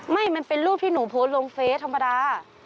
มันเป็นรูปที่หนูโพสต์ลงเฟสธรรมดา